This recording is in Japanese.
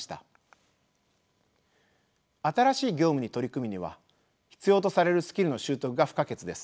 新しい業務に取り組むには必要とされるスキルの習得が不可欠です。